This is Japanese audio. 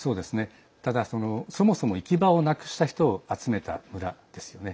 ただ、そもそも行き場をなくした人を集めた村ですよね。